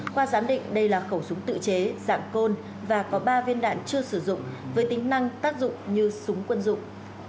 qua giám định đây là khẩu súng tự chế dạng côn và có ba viên đạn chưa sử dụng với tính năng tác dụng như súng quân dụng